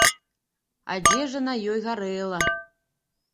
Адзежа на ёй гарэла.